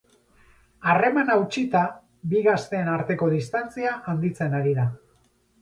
Harremana hautsita, bi gazteen arteko distantzia handitzen ari da.